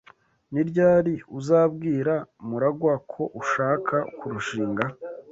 Ni ryari uzabwira MuragwA ko ushaka kurushinga?